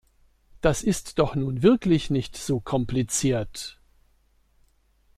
Das ist doch nun wirklich nicht so kompliziert!